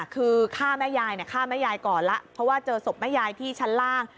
คือฆ่าแม่ยายฆ่าแม่ยายก่อนแล้วเพราะว่าเจอศพแม่ยายที่ชั้นล่าง